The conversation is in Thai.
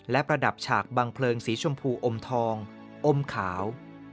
และประดับฉากบังเพลิงสีชมพูอมทองอมขาว